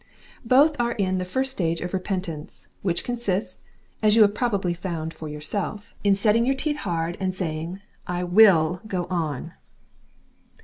Both are in the first stage of repentance, which consists, as you have probably found for yourself, in setting your teeth hard and saying' "I WILL go on."